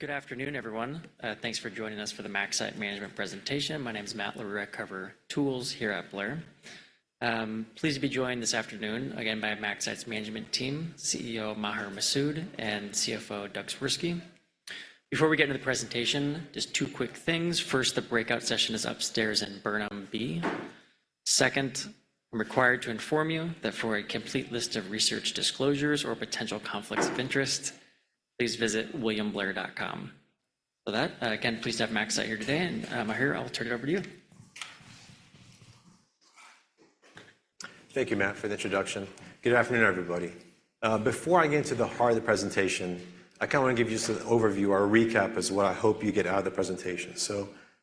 Good afternoon, everyone. Thanks for joining us for the MaxCyte management presentation. My name is Matt Larew. I cover tools here at Blair. Pleased to be joined this afternoon again by MaxCyte's management team, CEO, Maher Masoud, and CFO, Doug Swirsky. Before we get into the presentation, just two quick things. First, the breakout session is upstairs in Burnham B. Second, I'm required to inform you that for a complete list of research disclosures or potential conflicts of interest, please visit williamblair.com. With that, again, pleased to have MaxCyte here today, and, Maher, I'll turn it over to you. Thank you, Matt, for the introduction. Good afternoon, everybody. Before I get into the heart of the presentation, I kind of want to give you just an overview or a recap as to what I hope you get out of the presentation.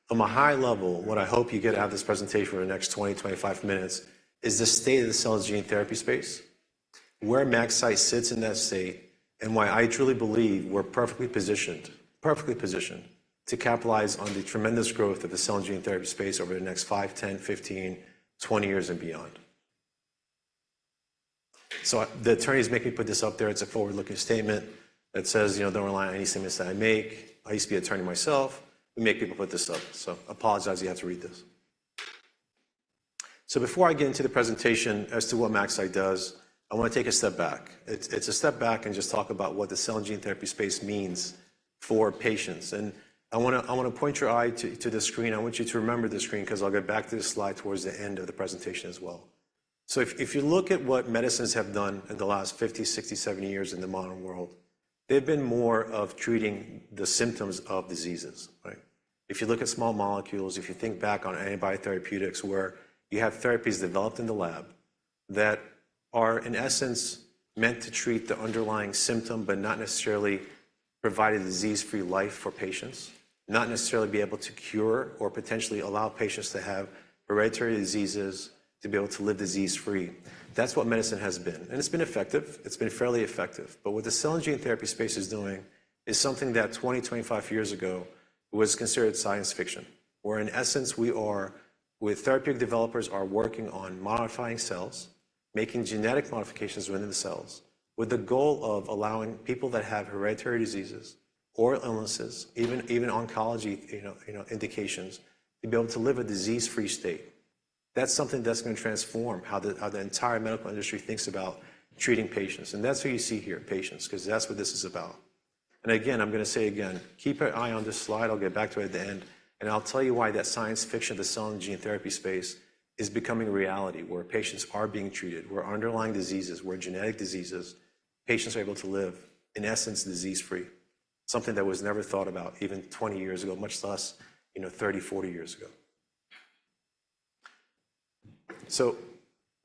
From a high level, what I hope you get out of this presentation for the next 20, 25 minutes is the state of the cell and gene therapy space, where MaxCyte sits in that state, and why I truly believe we're perfectly positioned, perfectly positioned to capitalize on the tremendous growth of the cell and gene therapy space over the next 5, 10, 15, 20 years and beyond. The attorneys make me put this up there. It's a forward-looking statement that says, you know, don't rely on any statements that I make. I used to be an attorney myself. We make people put this up, so apologize you have to read this. So before I get into the presentation as to what MaxCyte does, I want to take a step back. It's a step back and just talk about what the cell and gene therapy space means for patients, and I want to point your eye to the screen. I want you to remember this screen 'cause I'll get back to this slide towards the end of the presentation as well. So if you look at what medicines have done in the last 50, 60, 70 years in the modern world, they've been more of treating the symptoms of diseases, right? If you look at small molecules, if you think back on antibody therapeutics, where you have therapies developed in the lab that are, in essence, meant to treat the underlying symptom, but not necessarily provide a disease-free life for patients, not necessarily be able to cure or potentially allow patients to have hereditary diseases to be able to live disease-free. That's what medicine has been, and it's been effective. It's been fairly effective. But what the cell and gene therapy space is doing is something that 20-25 years ago was considered science fiction, where, in essence, we are... with therapeutic developers are working on modifying cells, making genetic modifications within the cells, with the goal of allowing people that have hereditary diseases or illnesses, even, even oncology, you know, you know, indications, to be able to live a disease-free state. That's something that's going to transform how the entire medical industry thinks about treating patients, and that's who you see here, patients, 'cause that's what this is about. And again, I'm going to say again, keep an eye on this slide. I'll get back to it at the end, and I'll tell you why that science fiction of the cell and gene therapy space is becoming a reality, where patients are being treated, where underlying diseases, where genetic diseases, patients are able to live, in essence, disease-free, something that was never thought about even 20 years ago, much less, you know, 30, 40 years ago. So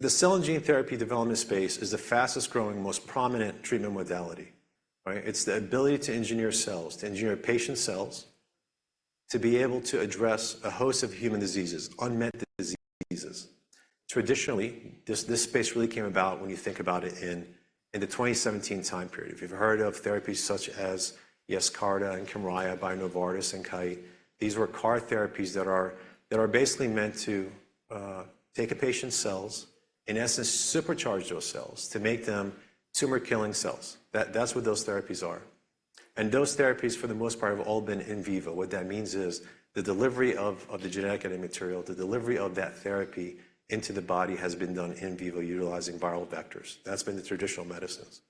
the cell and gene therapy development space is the fastest-growing, most prominent treatment modality, right? It's the ability to engineer cells, to engineer patient cells, to be able to address a host of human diseases, unmet diseases. Traditionally, this space really came about when you think about it, in the 2017 time period. If you've heard of therapies such as Yescarta and Kymriah by Novartis and Kite, these were CAR therapies that are basically meant to take a patient's cells, in essence, supercharge those cells to make them tumor-killing cells. That's what those therapies are, and those therapies, for the most part, have all been in vivo. What that means is the delivery of the genetic editing material, the delivery of that therapy into the body has been done in vivo utilizing viral vectors. That's been the traditional medicines.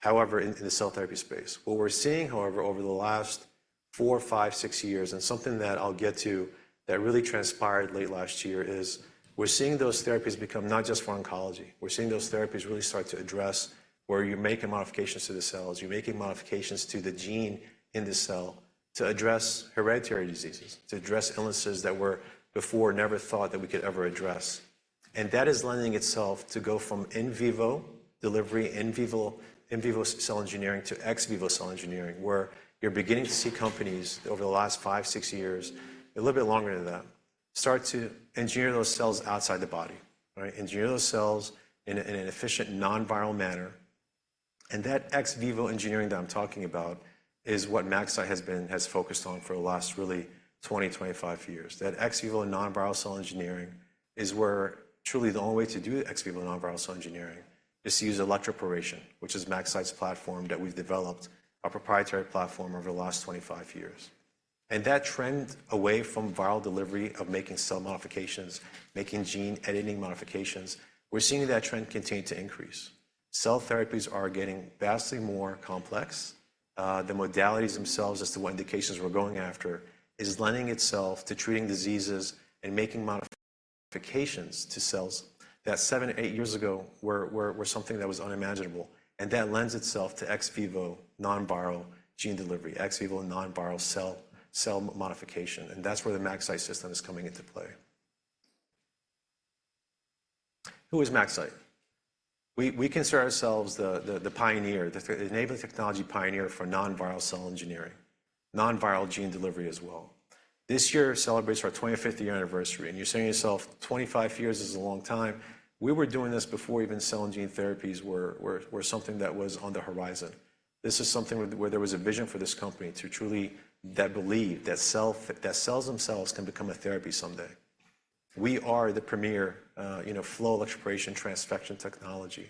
However, in the cell therapy space, what we're seeing, however, over the last 4, 5, 6 years, and something that I'll get to that really transpired late last year, is we're seeing those therapies become not just for oncology. We're seeing those therapies really start to address where you're making modifications to the cells, you're making modifications to the gene in the cell to address hereditary diseases, to address illnesses that were before never thought that we could ever address. And that is lending itself to go from in vivo delivery, in vivo, in vivo cell engineering, to ex vivo cell engineering, where you're beginning to see companies over the last 5-6 years, a little bit longer than that, start to engineer those cells outside the body, right? Engineer those cells in an efficient, non-viral manner. And that ex vivo engineering that I'm talking about is what MaxCyte has focused on for the last really 20-25 years. That ex vivo non-viral cell engineering is where truly the only way to do ex vivo non-viral cell engineering is to use electroporation, which is MaxCyte's platform that we've developed, our proprietary platform over the last 25 years. And that trend away from viral delivery of making cell modifications, making gene editing modifications, we're seeing that trend continue to increase. Cell therapies are getting vastly more complex. The modalities themselves as to what indications we're going after is lending itself to treating diseases and making modifications to cells that 7, 8 years ago were something that was unimaginable, and that lends itself to ex vivo non-viral gene delivery, ex vivo non-viral cell modification, and that's where the MaxCyte system is coming into play. Who is MaxCyte? We consider ourselves the pioneer, the enabling technology pioneer for non-viral cell engineering, non-viral gene delivery as well. This year celebrates our 25th year anniversary, and you're saying to yourself, "25 years is a long time." We were doing this before even cell and gene therapies were something that was on the horizon. This is something where there was a vision for this company to truly... that believed that cells themselves can become a therapy someday.... We are the premier, you know, flow electroporation transfection technology.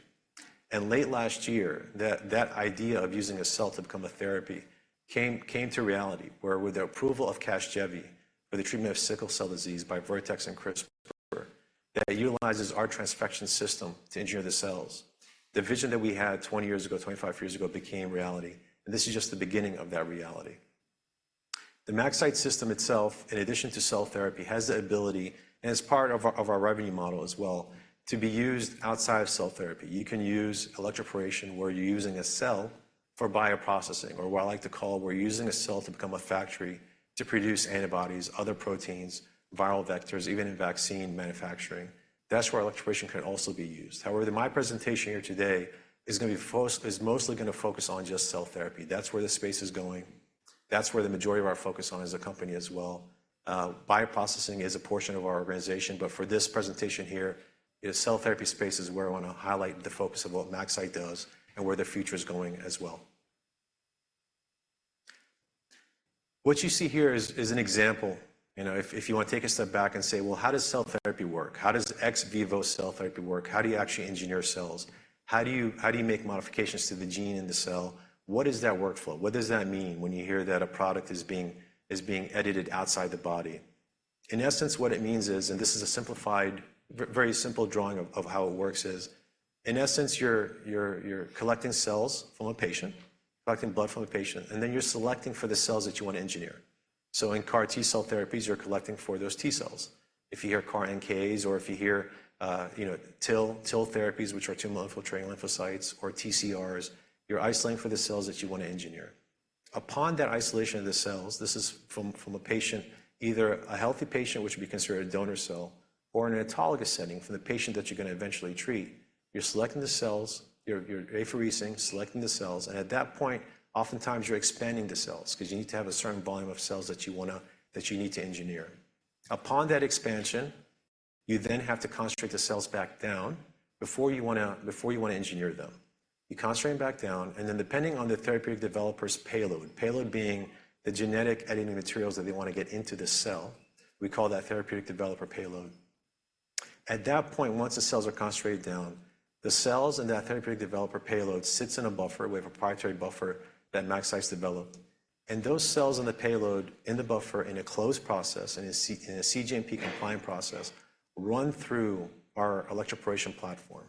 And late last year, that idea of using a cell to become a therapy came to reality, where with the approval of Casgevy for the treatment of sickle cell disease by Vertex and CRISPR, that utilizes our transfection system to engineer the cells. The vision that we had 20 years ago, 25 years ago, became reality, and this is just the beginning of that reality. The MaxCyte system itself, in addition to cell therapy, has the ability, and it's part of our, of our revenue model as well, to be used outside of cell therapy. You can use electroporation, where you're using a cell for bioprocessing, or what I like to call, we're using a cell to become a factory to produce antibodies, other proteins, viral vectors, even in vaccine manufacturing. That's where electroporation can also be used. However, my presentation here today is mostly gonna focus on just cell therapy. That's where the space is going. That's where the majority of our focus on as a company as well. Bioprocessing is a portion of our organization, but for this presentation here, the cell therapy space is where I wanna highlight the focus of what MaxCyte does and where the future is going as well. What you see here is an example, you know, if you wanna take a step back and say: Well, how does cell therapy work? How does ex vivo cell therapy work? How do you actually engineer cells? How do you make modifications to the gene in the cell? What is that workflow? What does that mean when you hear that a product is being edited outside the body? In essence, what it means is, and this is a simplified, very simple drawing of how it works is, in essence, you're collecting cells from a patient, collecting blood from a patient, and then you're selecting for the cells that you want to engineer. So in CAR T cell therapies, you're collecting for those T cells. If you hear CAR NKs, or if you hear, you know, TIL therapies, which are tumor-infiltrating lymphocytes, or TCRs, you're isolating for the cells that you want to engineer. Upon that isolation of the cells, this is from a patient, either a healthy patient, which would be considered a donor cell, or in an autologous setting for the patient that you're gonna eventually treat, you're selecting the cells, you're aphering, selecting the cells, and at that point, oftentimes you're expanding the cells because you need to have a certain volume of cells that you need to engineer. Upon that expansion, you then have to concentrate the cells back down before you wanna engineer them. You concentrate them back down, and then depending on the therapeutic developer's payload, payload being the genetic editing materials that they want to get into the cell, we call that therapeutic developer payload. At that point, once the cells are concentrated down, the cells and that therapeutic developer payload sits in a buffer. We have a proprietary buffer that MaxCyte's developed, and those cells in the payload, in the buffer, in a closed process, in a cGMP-compliant process, run through our electroporation platform.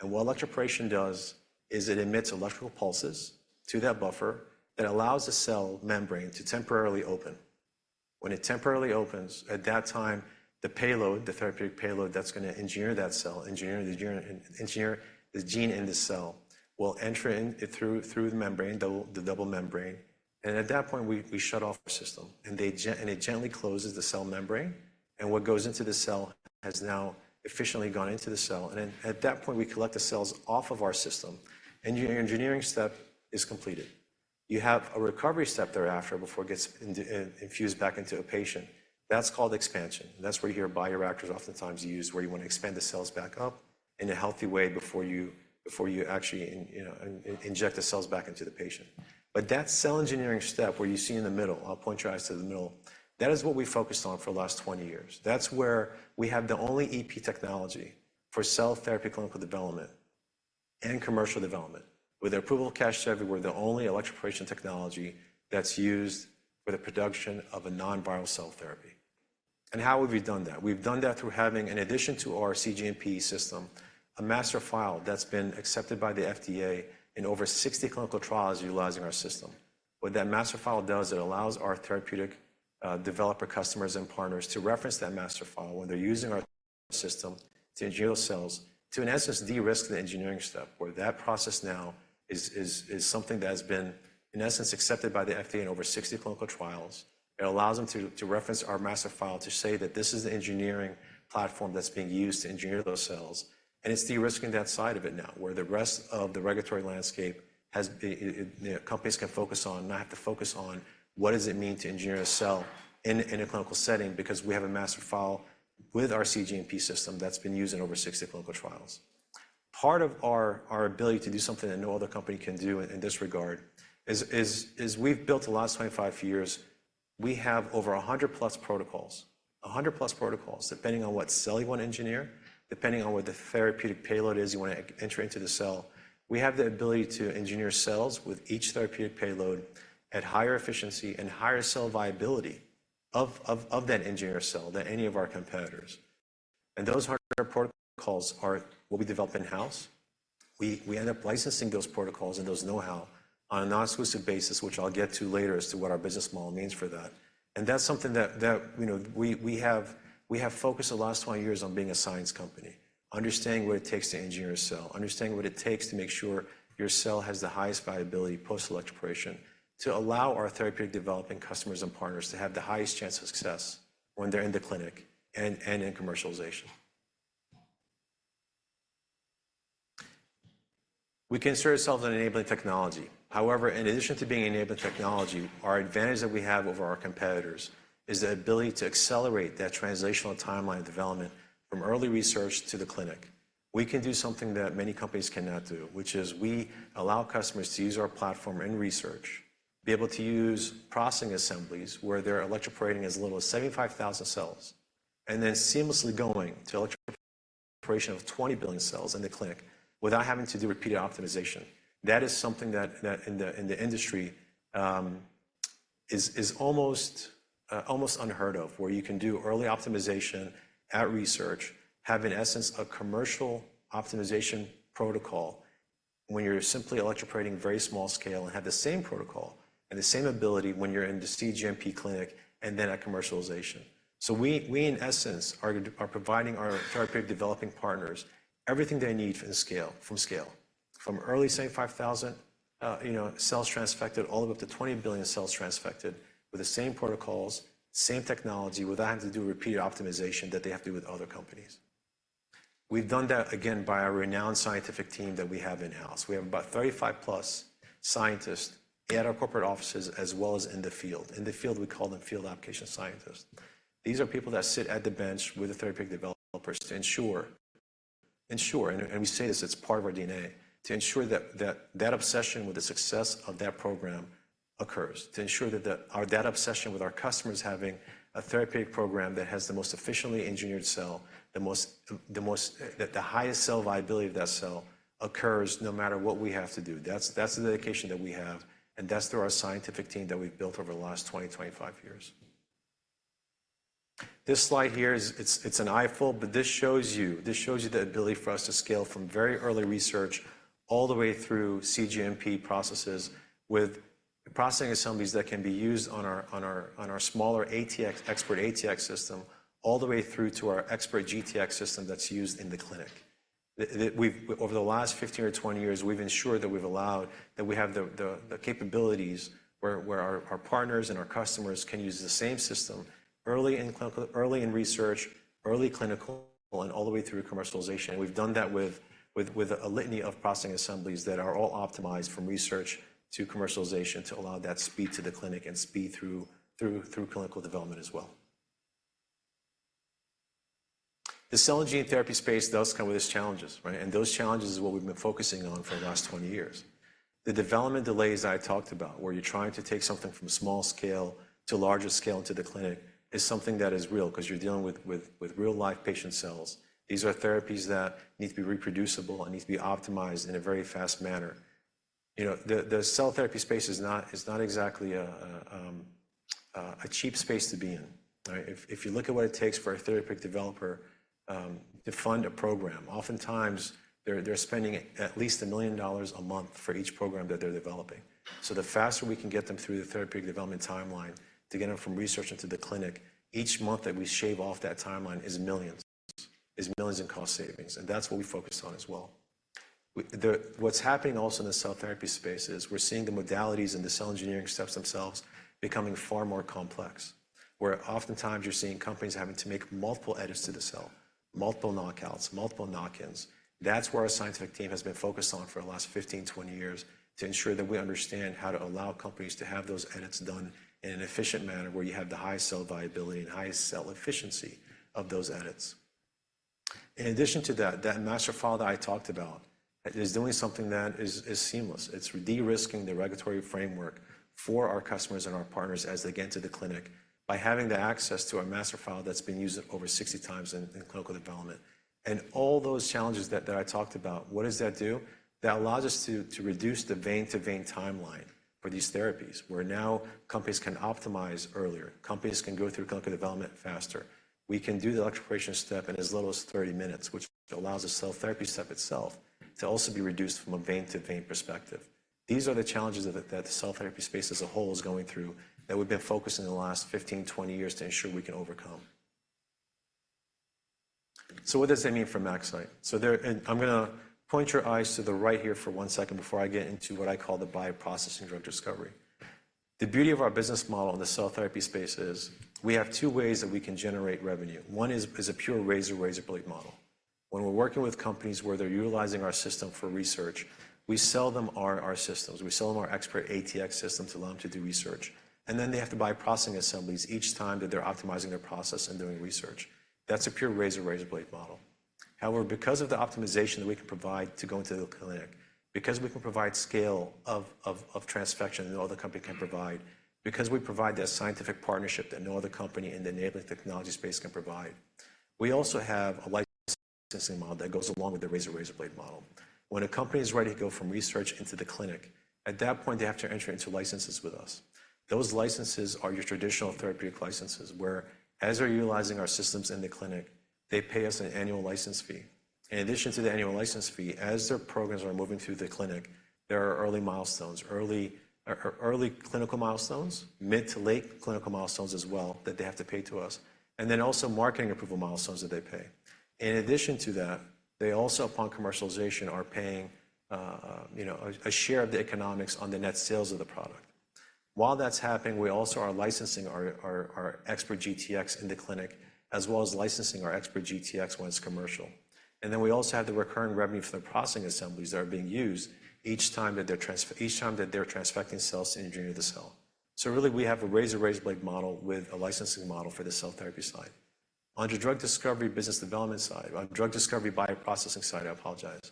And what electroporation does is it emits electrical pulses to that buffer that allows the cell membrane to temporarily open. When it temporarily opens, at that time, the payload, the therapeutic payload that's gonna engineer that cell, engineer the gene, engineer the gene in the cell, will enter in through, through the membrane, double-- the double membrane, and at that point, we, we shut off the system, and they gen... and it gently closes the cell membrane, and what goes into the cell has now efficiently gone into the cell. And then at that point, we collect the cells off of our system, and your engineering step is completed. You have a recovery step thereafter before it gets infused back into a patient. That's called expansion. That's where you hear bioreactors oftentimes used, where you want to expand the cells back up in a healthy way before you, before you actually, you know, inject the cells back into the patient. But that cell engineering step, where you see in the middle, I'll point your eyes to the middle, that is what we focused on for the last 20 years. That's where we have the only EP technology for cell therapy, clinical development, and commercial development. With the approval of Casgevy, we're the only electroporation technology that's used for the production of a non-viral cell therapy. And how have we done that? We've done that through having, in addition to our cGMP system, a Master File that's been accepted by the FDA in over 60 clinical trials utilizing our system. What that Master File does, it allows our therapeutic developer, customers, and partners to reference that Master File when they're using our system to engineer those cells, to, in essence, de-risk the engineering step, where that process now is something that has been, in essence, accepted by the FDA in over 60 clinical trials. It allows them to reference our Master File to say that this is the engineering platform that's being used to engineer those cells, and it's de-risking that side of it now, where the rest of the regulatory landscape has companies can focus on, not have to focus on what does it mean to engineer a cell in a clinical setting because we have a Master File with our cGMP system that's been used in over 60 clinical trials. Part of our ability to do something that no other company can do in this regard is we've built the last 25 years, we have over 100+ protocols, depending on what cell you want to engineer, depending on what the therapeutic payload is you want to enter into the cell. We have the ability to engineer cells with each therapeutic payload at higher efficiency and higher cell viability of that engineered cell than any of our competitors. And those hard protocols are what we develop in-house. We end up licensing those protocols and those know-how on a non-exclusive basis, which I'll get to later as to what our business model means for that. And that's something that, you know, we have focused the last 20 years on being a science company, understanding what it takes to engineer a cell, understanding what it takes to make sure your cell has the highest viability post-electroporation, to allow our therapeutic developing customers and partners to have the highest chance of success when they're in the clinic and in commercialization. We consider ourselves an enabling technology. However, in addition to being an enabling technology, our advantage that we have over our competitors is the ability to accelerate that translational timeline of development from early research to the clinic. We can do something that many companies cannot do, which is we allow customers to use our platform in research, be able to use processing assemblies where they're electroporating as little as 75,000 cells, and then seamlessly going to electroporation of 20 billion cells in the clinic without having to do repeated optimization. That is something that in the industry is almost unheard of, where you can do early optimization at research, have in essence a commercial optimization protocol when you're simply electroporating very small scale, and have the same protocol and the same ability when you're in the cGMP clinic and then at commercialization. So we, in essence, are providing our therapeutic developing partners everything they need for the scale from early 75,000, you know, cells transfected all the way up to 20 billion cells transfected with the same protocols, same technology, without having to do repeated optimization that they have to do with other companies. We've done that again by our renowned scientific team that we have in-house. We have about 35+ scientists at our corporate offices, as well as in the field. In the field, we call them field application scientists. These are people that sit at the bench with the therapeutic developers to ensure, and we say this, it's part of our DNA, to ensure that obsession with the success of that program occurs, to ensure that the... Our—that obsession with our customers having a therapeutic program that has the most efficiently engineered cell, the most—the highest cell viability of that cell occurs no matter what we have to do. That's the dedication that we have, and that's through our scientific team that we've built over the last 25 years. This slide here is... it's an eyeful, but this shows you the ability for us to scale from very early research all the way through cGMP processes with processing assemblies that can be used on our smaller ATx, ExPERT ATx system, all the way through to our ExPERT GTx system that's used in the clinic. We've over the last 15 or 20 years, we've ensured that we've allowed that we have the capabilities where our partners and our customers can use the same system early in research, early clinical, and all the way through commercialization. And we've done that with a litany of processing assemblies that are all optimized from research to commercialization to allow that speed to the clinic and speed through clinical development as well. The cell and gene therapy space does come with its challenges, right? And those challenges is what we've been focusing on for the last 20 years. The development delays I talked about, where you're trying to take something from small scale to larger scale into the clinic, is something that is real 'cause you're dealing with real live patient cells. These are therapies that need to be reproducible and need to be optimized in a very fast manner. You know, the cell therapy space is not exactly a cheap space to be in. Right? If you look at what it takes for a therapeutic developer to fund a program, oftentimes they're spending at least $1 million a month for each program that they're developing. So the faster we can get them through the therapeutic development timeline to get them from research into the clinic, each month that we shave off that timeline is $ millions in cost savings, and that's what we focus on as well. What's happening also in the cell therapy space is we're seeing the modalities and the cell engineering steps themselves becoming far more complex, where oftentimes you're seeing companies having to make multiple edits to the cell, multiple knockouts, multiple knockins. That's where our scientific team has been focused on for the last 15, 20 years, to ensure that we understand how to allow companies to have those edits done in an efficient manner, where you have the highest cell viability and highest cell efficiency of those edits. In addition to that, that Master File that I talked about is doing something that is seamless. It's de-risking the regulatory framework for our customers and our partners as they get into the clinic by having the access to our Master File that's been used over 60 times in clinical development. All those challenges that I talked about, what does that do? That allows us to reduce the vein to vein timeline for these therapies, where now companies can optimize earlier. Companies can go through clinical development faster. We can do the electroporation step in as little as 30 minutes, which allows the cell therapy step itself to also be reduced from a vein to vein perspective. These are the challenges that the cell therapy space as a whole is going through, that we've been focused in the last 15, 20 years to ensure we can overcome. So what does that mean for MaxCyte? So there... And I'm gonna point your eyes to the right here for one second before I get into what I call the bioprocessing drug discovery. The beauty of our business model in the cell therapy space is we have two ways that we can generate revenue. One is a pure razor-razorblade model. When we're working with companies where they're utilizing our system for research, we sell them our systems. We sell them our ExPERT ATx system to allow them to do research, and then they have to buy processing assemblies each time that they're optimizing their process and doing research. That's a pure razor-razorblade model. However, because of the optimization that we can provide to go into the clinic, because we can provide scale of transfection that no other company can provide, because we provide the scientific partnership that no other company in the enabling technology space can provide, we also have a licensing model that goes along with the razor-razorblade model. When a company is ready to go from research into the clinic, at that point, they have to enter into licenses with us. Those licenses are your traditional therapeutic licenses, where as they're utilizing our systems in the clinic, they pay us an annual license fee. In addition to the annual license fee, as their programs are moving through the clinic, there are early milestones, early clinical milestones, mid to late clinical milestones as well, that they have to pay to us, and then also marketing approval milestones that they pay. In addition to that, they also, upon commercialization, are paying, you know, a share of the economics on the net sales of the product. While that's happening, we also are licensing our ExPERT GTx in the clinic, as well as licensing our ExPERT GTx when it's commercial. We also have the recurring revenue for the processing assemblies that are being used each time that they're transfecting cells to engineer the cell. So really, we have a razor-razorblade model with a licensing model for the cell therapy side. On the drug discovery business development side, on drug discovery bioprocessing side, I apologize,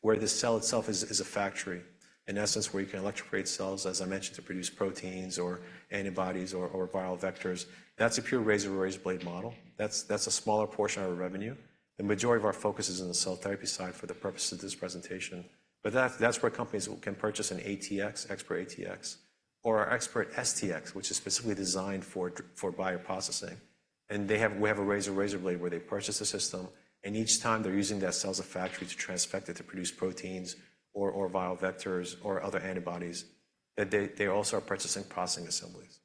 where the cell itself is a factory, in essence, where you can electroporate cells, as I mentioned, to produce proteins or antibodies or viral vectors. That's a pure razor-razorblade model. That's a smaller portion of our revenue. The majority of our focus is in the cell therapy side for the purpose of this presentation. But that's where companies can purchase an ExPERT ATx, ExPERT ATx, or our ExPERT STx, which is specifically designed for bioprocessing. They have a razor-razorblade, where they purchase a system, and each time they're using that cell as a factory to transfect it to produce proteins or viral vectors or other antibodies, that they also are purchasing processing assemblies.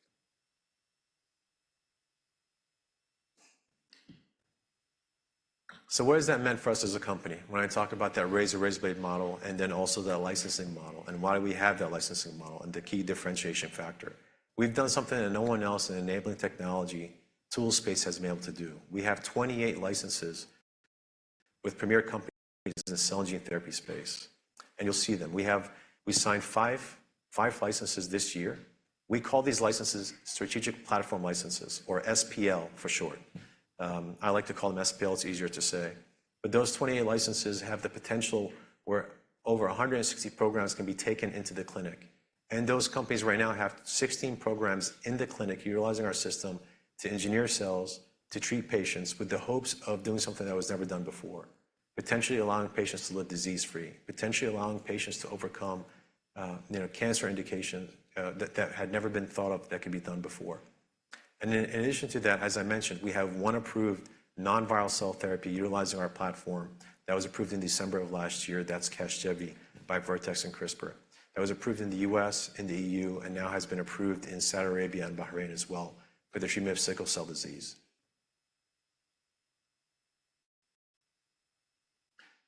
So what has that meant for us as a company? When I talk about that razor-razorblade model and then also that licensing model, and why do we have that licensing model and the key differentiation factor. We've done something that no one else in enabling technology tool space has been able to do. We have 28 licenses with premier companies in the cell and gene therapy space, and you'll see them. We signed 5, 5 licenses this year. We call these licenses Strategic Platform Licenses, or SPL for short. I like to call them SPL, it's easier to say. But those 28 licenses have the potential where over 160 programs can be taken into the clinic, and those companies right now have 16 programs in the clinic utilizing our system to engineer cells, to treat patients with the hopes of doing something that was never done before, potentially allowing patients to live disease-free, potentially allowing patients to overcome, you know, cancer indications, that, that had never been thought of, that could be done before. And then in addition to that, as I mentioned, we have one approved non-viral cell therapy utilizing our platform that was approved in December of last year. That's Casgevy by Vertex and CRISPR. That was approved in the U.S. and the E.U., and now has been approved in Saudi Arabia and Bahrain as well, for the treatment of sickle cell disease.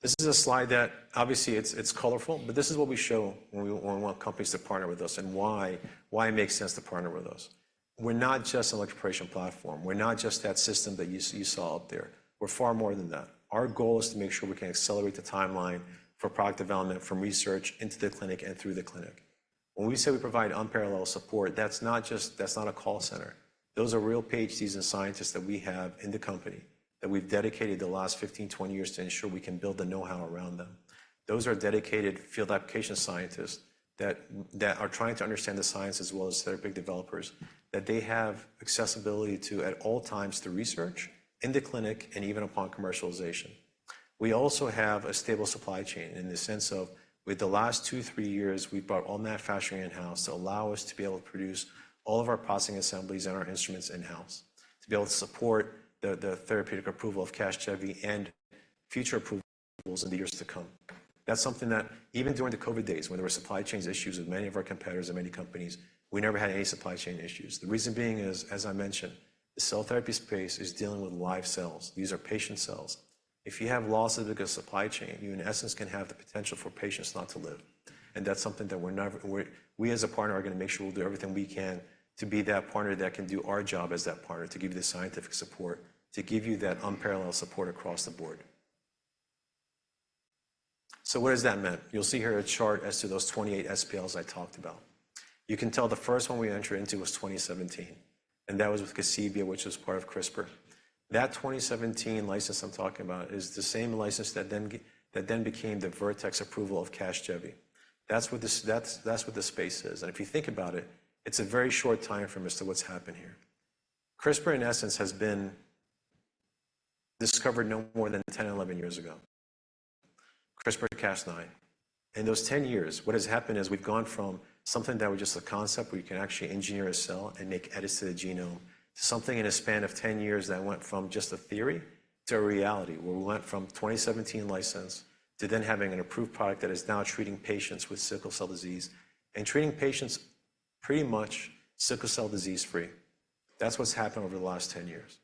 This is a slide that obviously it's colorful, but this is what we show when we want companies to partner with us, and why it makes sense to partner with us. We're not just an electroporation platform. We're not just that system that you saw up there. We're far more than that. Our goal is to make sure we can accelerate the timeline for product development, from research into the clinic and through the clinic. When we say we provide unparalleled support, that's not just a call center. Those are real PhDs and scientists that we have in the company, that we've dedicated the last 15, 20 years to ensure we can build the know-how around them. Those are dedicated field application scientists that are trying to understand the science as well as therapeutic developers that they have accessibility to at all times, the research in the clinic and even upon commercialization. We also have a stable supply chain in the sense of with the last 2-3 years, we've brought all manufacturing in-house to allow us to be able to produce all of our processing assemblies and our instruments in-house, to be able to support the therapeutic approval of Casgevy and future approvals in the years to come. That's something that even during the COVID days, when there were supply chain issues with many of our competitors and many companies, we never had any supply chain issues. The reason being is, as I mentioned, the cell therapy space is dealing with live cells. These are patient cells. If you have losses because of supply chain, you, in essence, can have the potential for patients not to live, and that's something that we're never—we as a partner, are going to make sure we'll do everything we can to be that partner that can do our job as that partner, to give you the scientific support, to give you that unparalleled support across the board. So what has that meant? You'll see here a chart as to those 28 SPLs I talked about. You can tell the first one we entered into was 2017, and that was with Casebia, which was part of CRISPR. That 2017 license I'm talking about is the same license that then became the Vertex approval of Casgevy. That's what the space is, and if you think about it, it's a very short timeframe as to what's happened here. CRISPR, in essence, has been discovered no more than 10, 11 years ago. CRISPR Cas9. In those 10 years, what has happened is we've gone from something that was just a concept, where you can actually engineer a cell and make edits to the genome, to something in a span of 10 years that went from just a theory to a reality, where we went from 2017 license to then having an approved product that is now treating patients with sickle cell disease and treating patients pretty much sickle cell disease-free. That's what's happened over the last 10 years.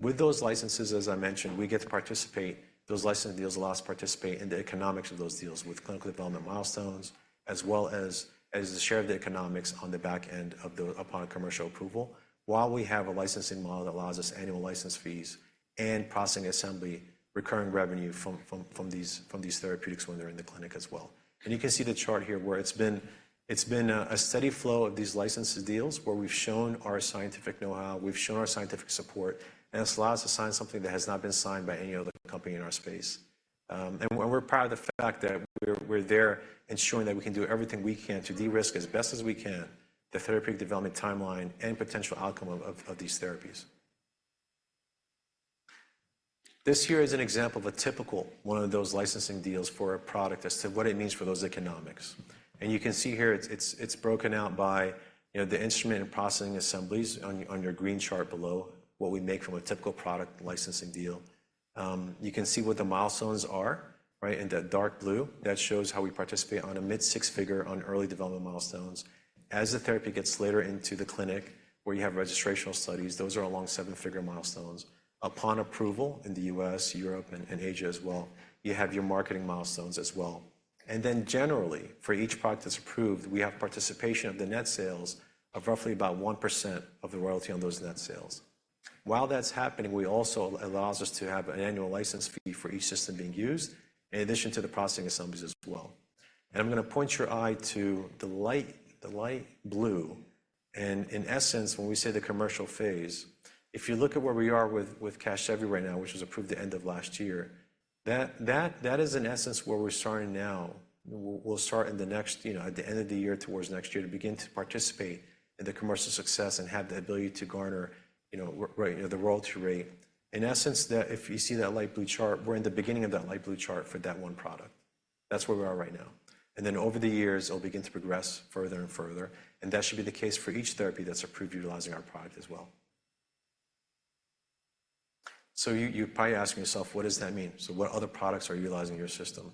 With those licenses, as I mentioned, we get to participate—those license deals allow us to participate in the economics of those deals with clinical development milestones, as well as a share of the economics on the back end of the—upon commercial approval, while we have a licensing model that allows us annual license fees and processing assembly recurring revenue from these therapeutics when they're in the clinic as well. And you can see the chart here, where it's been a steady flow of these license deals, where we've shown our scientific know-how, we've shown our scientific support, and it allows us to sign something that has not been signed by any other company in our space. And we're proud of the fact that we're there, ensuring that we can do everything we can to de-risk as best as we can, the therapeutic development timeline and potential outcome of these therapies. This here is an example of a typical one of those licensing deals for a product as to what it means for those economics. And you can see here, it's broken out by, you know, the instrument and processing assemblies on your, on your green chart below, what we make from a typical product licensing deal. You can see what the milestones are, right? In that dark blue, that shows how we participate on a mid-six-figure on early development milestones. As the therapy gets later into the clinic, where you have registrational studies, those are along seven-figure milestones. Upon approval in the U.S., Europe, and Asia as well, you have your marketing milestones as well. Then generally, for each product that's approved, we have participation of the net sales of roughly about 1% of the royalty on those net sales. While that's happening, we also allows us to have an annual license fee for each system being used, in addition to the processing assemblies as well. And I'm going to point your eye to the light blue, and in essence, when we say the commercial phase, if you look at where we are with Casgevy right now, which was approved the end of last year, that is, in essence, where we're starting now. We'll start in the next, you know, at the end of the year, towards next year, to begin to participate in the commercial success and have the ability to garner, you know, right, you know, the royalty rate. In essence, that. If you see that light blue chart, we're in the beginning of that light blue chart for that one product. That's where we are right now, and then over the years, it'll begin to progress further and further, and that should be the case for each therapy that's approved utilizing our product as well. So you're probably asking yourself, what does that mean? So what other products are utilizing your system?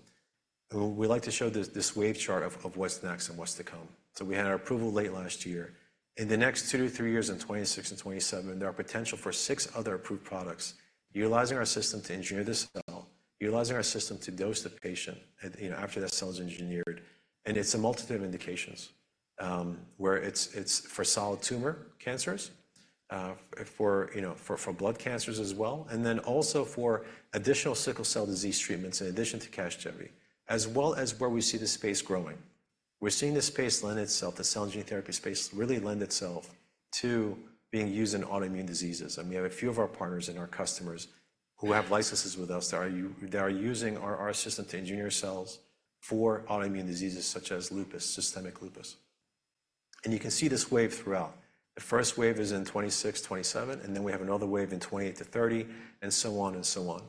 We like to show this wave chart of what's next and what's to come. So we had our approval late last year. In the next two to three years, in 2026 and 2027, there are potential for six other approved products utilizing our system to engineer the cell, utilizing our system to dose the patient, and, you know, after that cell is engineered, and it's a multitude of indications, where it's for solid tumor cancers, you know, for blood cancers as well, and then also for additional sickle cell disease treatments, in addition to Casgevy, as well as where we see the space growing. We're seeing this space lend itself, the cell and gene therapy space, really lend itself to being used in autoimmune diseases, and we have a few of our partners and our customers who have licenses with us that are using our system to engineer cells for autoimmune diseases such as lupus, systemic lupus. You can see this wave throughout. The first wave is in 2026, 2027, and then we have another wave in 2028 to 2030, and so on and so on.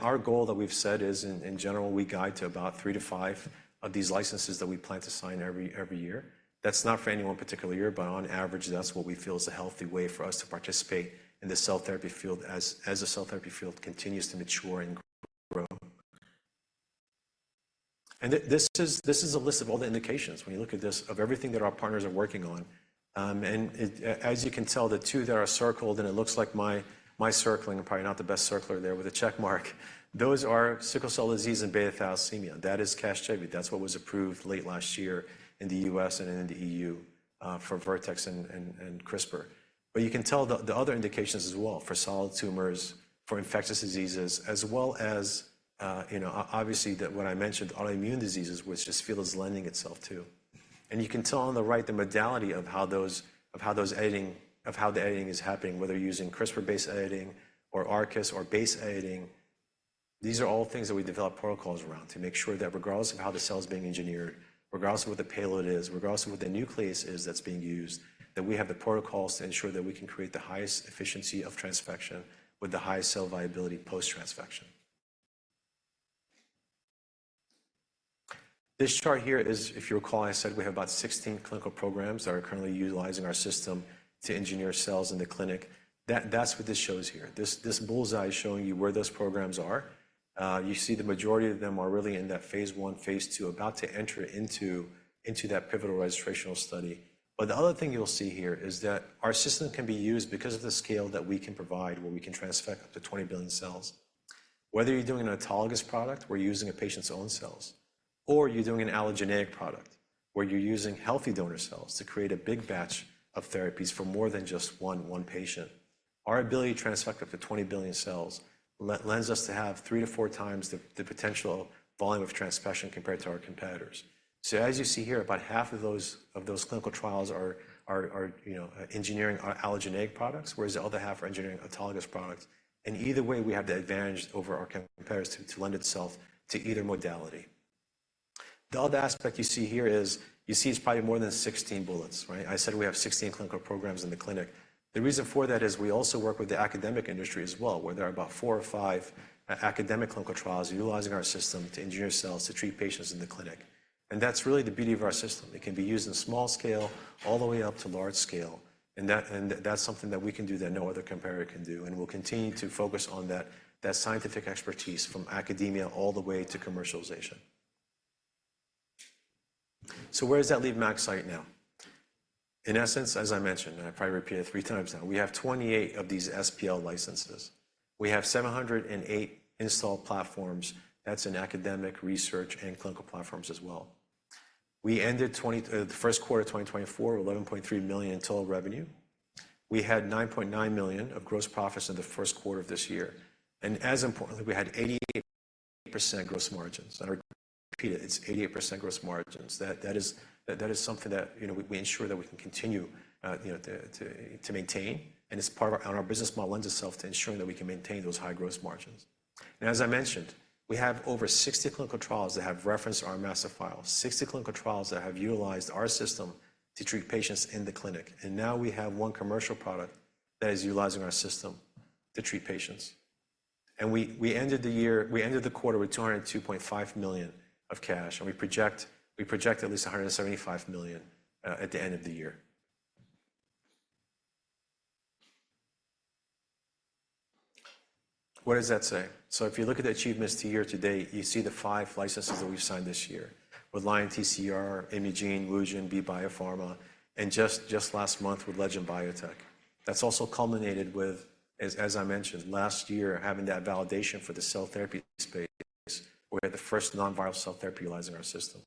Our goal that we've set is, in general, we guide to about 3-5 of these licenses that we plan to sign every year. That's not for any one particular year, but on average, that's what we feel is a healthy way for us to participate in the cell therapy field as the cell therapy field continues to mature and grow. And this is, this is a list of all the indications, when you look at this, of everything that our partners are working on, and it as you can tell, the two that are circled, and it looks like my, my circling, I'm probably not the best circler there with a check mark those are sickle cell disease and beta thalassemia. That is Casgevy. That's what was approved late last year in the U.S. and in the E.U., for Vertex and, and, and CRISPR. But you can tell the, the other indications as well, for solid tumors, for infectious diseases, as well as, you know, obviously, that when I mentioned autoimmune diseases, which this field is lending itself to. You can tell on the right the modality of how the editing is happening, whether using CRISPR-based editing or ARCUS or base editing. These are all things that we develop protocols around to make sure that regardless of how the cell's being engineered, regardless of what the payload is, regardless of what the nuclease is that's being used, that we have the protocols to ensure that we can create the highest efficiency of transfection with the highest cell viability post-transfection. This chart here is, if you recall, I said we have about 16 clinical programs that are currently utilizing our system to engineer cells in the clinic. That's what this shows here. This bullseye is showing you where those programs are. You see the majority of them are really in that phase I, phase II, about to enter into that pivotal registrational study. But the other thing you'll see here is that our system can be used because of the scale that we can provide, where we can transfect up to 20 billion cells. Whether you're doing an autologous product, where you're using a patient's own cells, or you're doing an allogeneic product, where you're using healthy donor cells to create a big batch of therapies for more than just one patient, our ability to transfect up to 20 billion cells lends us to have 3-4 times the potential volume of transfection compared to our competitors. So as you see here, about half of those clinical trials are, you know, engineering our allogeneic products, whereas the other half are engineering autologous products, and either way, we have the advantage over our competitors to lend itself to either modality. The other aspect you see here is, you see it's probably more than 16 bullets, right? I said we have 16 clinical programs in the clinic. The reason for that is we also work with the academic industry as well, where there are about four or five academic clinical trials utilizing our system to engineer cells to treat patients in the clinic, and that's really the beauty of our system. It can be used in small scale all the way up to large scale, and that, and that's something that we can do that no other competitor can do, and we'll continue to focus on that, that scientific expertise from academia all the way to commercialization. So where does that leave MaxCyte now? In essence, as I mentioned, and I'll probably repeat it three times now, we have 28 of these SPL licenses. We have 708 installed platforms. That's in academic research and clinical platforms as well. We ended the first quarter of 2024, $11.3 million in total revenue. We had $9.9 million of gross profits in the first quarter of this year, and as importantly, we had 88% gross margins, and I'll repeat it, it's 88% gross margins. That is something that, you know, we ensure that we can continue, you know, to maintain, and it's part of our and our business model lends itself to ensuring that we can maintain those high gross margins. And as I mentioned, we have over 60 clinical trials that have referenced our Master File, 60 clinical trials that have utilized our system to treat patients in the clinic, and now we have one commercial product that is utilizing our system to treat patients. And we ended the quarter with $202.5 million of cash, and we project at least $175 million at the end of the year. What does that say? So if you look at the achievements year-to-date, you see the five licenses that we've signed this year with Lion TCR, Imugene, Wugen, Be Biopharma, and just last month with Legend Biotech. That's also culminated with, as I mentioned, last year, having that validation for the cell therapy space, where we had the first non-viral cell therapy utilizing our system.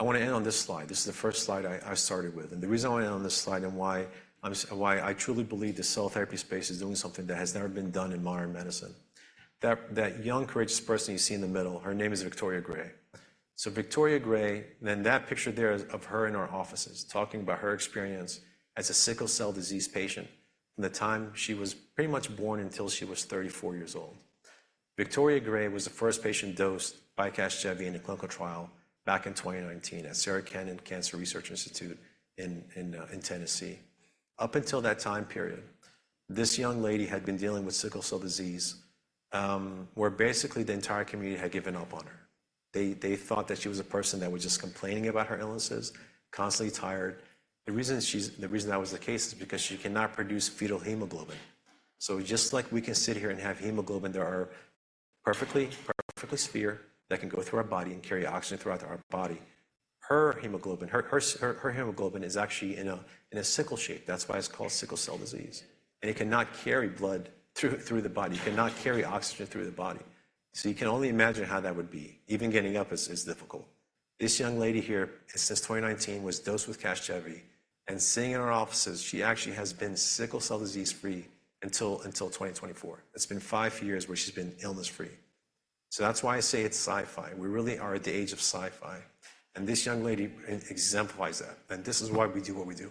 I want to end on this slide. This is the first slide I started with, and the reason why I ended on this slide and why I'm so, why I truly believe the cell therapy space is doing something that has never been done in modern medicine. That young, courageous person you see in the middle, her name is Victoria Gray. So Victoria Gray, and that picture there is of her in our offices, talking about her experience as a sickle cell disease patient from the time she was pretty much born until she was 34 years old. Victoria Gray was the first patient dosed by Casgevy in a clinical trial back in 2019 at Sarah Cannon Research Institute in Tennessee. Up until that time period, this young lady had been dealing with sickle cell disease, where basically the entire community had given up on her. They, they thought that she was a person that was just complaining about her illnesses, constantly tired. The reason that was the case is because she cannot produce fetal hemoglobin. So just like we can sit here and have hemoglobin, there are perfectly spherical that can go through our body and carry oxygen throughout our body. Her hemoglobin is actually in a sickle shape. That's why it's called sickle cell disease, and it cannot carry blood through the body. It cannot carry oxygen through the body. So you can only imagine how that would be. Even getting up is difficult. This young lady here, since 2019, was dosed with Casgevy, and sitting in our offices, she actually has been sickle cell disease-free until 2024. It's been 5 years where she's been illness-free. So that's why I say it's sci-fi. We really are at the age of sci-fi, and this young lady exemplifies that, and this is why we do what we do.